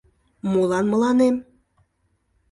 — Молан мыланем?